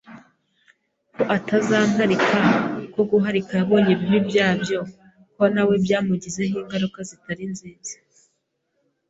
ko atazamparika ko guharika yabonye ibibi byabyo ko nawe byamugizeho ingaruka zitari nziza